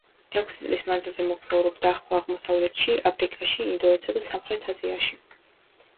ექვსი წლის მანძილზე მოგზაურობდა ახლო აღმოსავლეთში, აფრიკაში, ინდოეთსა და სამხრეთ აზიაში.